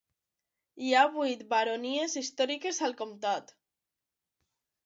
Hi ha vuit baronies històriques al comtat.